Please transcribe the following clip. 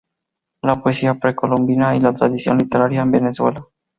La poesía precolombina y la tradición literaria en Venezuela.